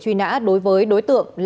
truy nã đối với đối tượng lại văn